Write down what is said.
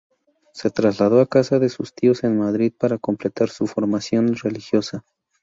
Se trasladó a casa de sus tíos en Madrid para completar su formación religiosa.